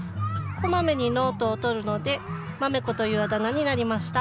こまめにノートをとるので「まめ子」というあだ名になりました。